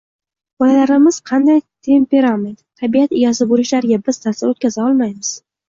Bolalarimiz qanday temperament – tabiat egasi bo‘lishlariga biz taʼsir o‘tkaza olmaymiz